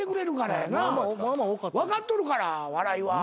分かっとるから笑いは。